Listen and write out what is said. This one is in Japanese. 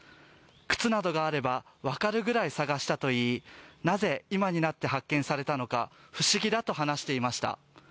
靴などがあれば、分かるぐらい捜したといい、なぜ今になって発見されたのか不思議だと話していました。